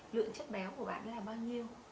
lượng chất béo của bạn ấy là bao nhiêu